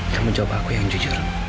kamu jawab aku yang jujur